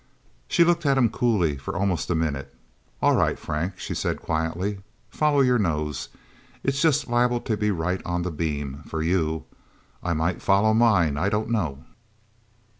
She looked at him coolly for almost a minute. "All right, Frank," she said quietly. "Follow your nose. It's just liable to be right on the beam for you. I might follow mine. I don't know."